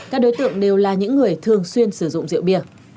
các đối tượng đều là những người thường xuyên sử dụng rượu bia